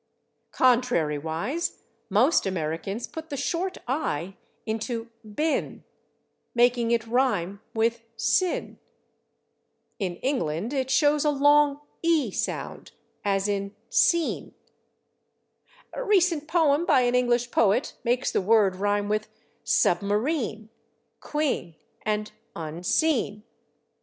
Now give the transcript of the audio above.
Contrariwise, most Americans put the short /i/ into /been/, making it rhyme with /sin/. In England it shows a long /e/ sound, as in /seen/. A recent poem by an English poet makes the word rhyme with /submarine/, /queen/ and /unseen